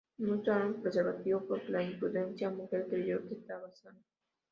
No usaron preservativo porque la imprudente mujer creyó que estaba sana.